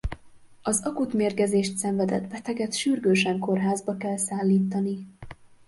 Az akut mérgezést szenvedett beteget sürgősen kórházba kell szállítani.